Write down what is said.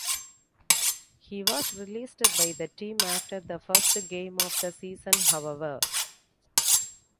He was released by the team after the first game of the season, however.